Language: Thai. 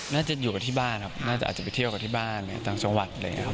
น่าจะอยู่กันที่บ้านครับน่าจะอาจจะไปเที่ยวกันที่บ้านต่างจังหวัดอะไรอย่างนี้ครับ